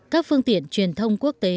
các phương tiện truyền thông quốc tế